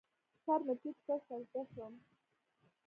سر مې ټیټ کړ، سجده شوم